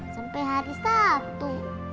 sampai hari sabtu